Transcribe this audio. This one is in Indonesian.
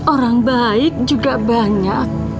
orang baik juga banyak